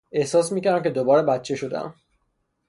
احساس میکردم که دوباره بچه شدهام.